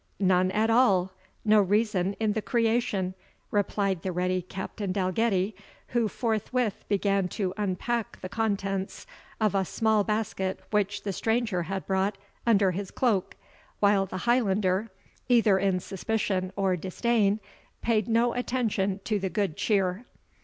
"None at all no reason in the creation," replied the ready Captain Dalgetty, who forthwith began to unpack the contents of a small basket which the stranger had brought under his cloak, while the Highlander, either in suspicion or disdain, paid no attention to the good cheer.